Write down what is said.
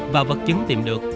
và vật chứng tìm được